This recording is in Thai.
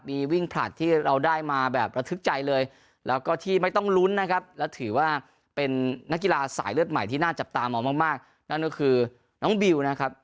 มีวิ่งผลัดที่เราได้มาแบบระทึกใจเลยแล้วก็ที่ไม่ต้องลุ้นนะครับและถือว่าเป็นนักกีฬาสายเลือดใหม่ที่น่าจับตามองมากนั่นก็คือน้องบิวนะครับ